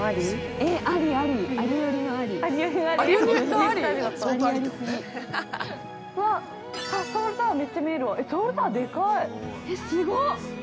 ◆えっ、すごっ。